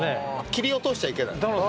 切り落としちゃいけない。